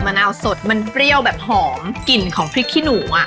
นาวสดมันเปรี้ยวแบบหอมกลิ่นของพริกขี้หนูอ่ะ